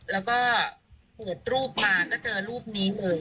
แล้วก็เปิดรูปมาก็เจอรูปนี้เลย